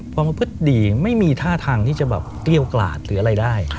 ประพฤติดีไม่มีท่าทางที่จะแบบเกรี้ยวกลาดหรืออะไรได้